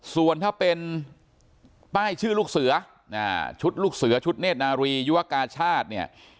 ส่วนถ้าเป็นป้ายชื่อลูกเสือชุดลูกเสือชุดเนธนารียุวกาชาติเนี่ย